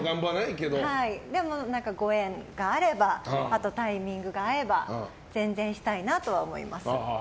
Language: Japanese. でも、ご縁があればあとタイミングが合えば全然したいなとは思います。